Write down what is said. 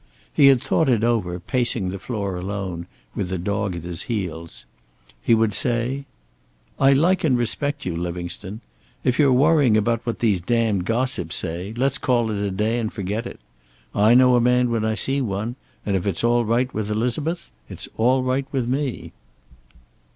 He had thought it over, pacing the floor alone, with the dog at his heels. He would say: "I like and respect you, Livingstone. If you're worrying about what these damned gossips say, let's call it a day and forget it. I know a man when I see one, and if it's all right with Elizabeth it's all right with me."